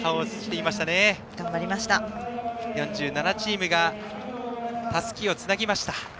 ４７チームがたすきをつなぎました。